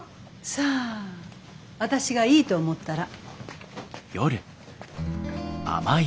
「さあ私がいいと思ったら」。